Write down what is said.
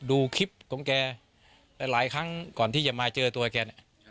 ดูคลิปของแกหลายครั้งก่อนที่จะมาเจอตัวแกเนี่ย